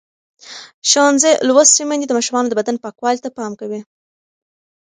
ښوونځې لوستې میندې د ماشومانو د بدن پاکوالي ته پام کوي.